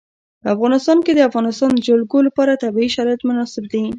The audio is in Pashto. په افغانستان کې د د افغانستان جلکو لپاره طبیعي شرایط مناسب دي.